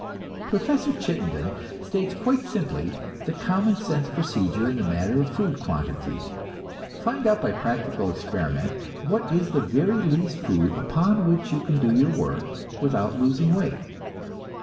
Professor Chittenden states quite simply the common sense procedure in the matter of food quantity. Find out by practical experiment what is the very least food upon which you can do your work without losing weight.